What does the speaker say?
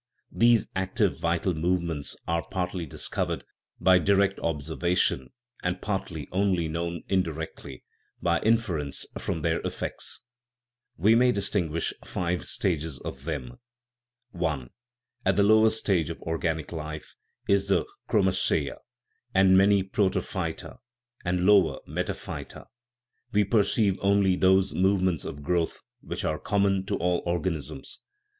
These active vital movements are partly discovered by direct observation and partly only known indirectly, by inference from their effects. We may distinguish five stages of them. I. At the lowest stage of organic life, in the chro macea, and many protophyta and lower metaphyta, we perceive only those movements of growth which are common to all organisms.